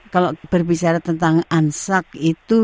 kalau berbicara tentang ansak itu